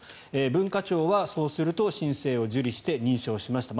文化庁はそうすると申請を受理して認証しました。